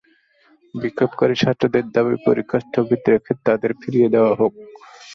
বিক্ষোভকারী ছাত্রদের দাবি, পরীক্ষা স্থগিত রেখে তাঁদের ফিরিয়ে নিয়ে যাওয়া হোক।